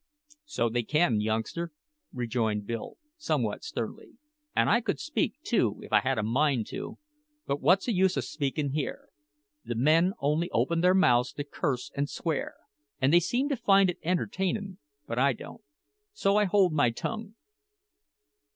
"So they can, youngster," rejoined Bill somewhat sternly; "and I could speak too if I had a mind to, but what's the use o' speakin' here? The men only open their mouths to curse and swear, and they seem to find it entertainin'; but I don't, so I hold my tongue."